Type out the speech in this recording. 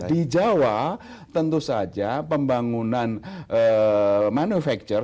di jawa tentu saja pembangunan manufacture